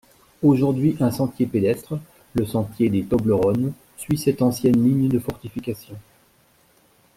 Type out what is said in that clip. Aujourd'hui un sentier pédestre, le sentier des Toblerones, suit cette ancienne ligne de fortifications.